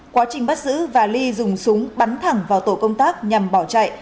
quá trình bắt giữ và ly dùng súng bắn thẳng vào tổ công tác nhằm bỏ chạy